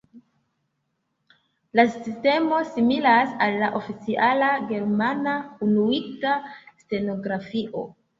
La sistemo similas al la oficiala Germana Unuigita Stenografio.